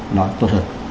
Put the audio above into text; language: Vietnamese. nó tốt hơn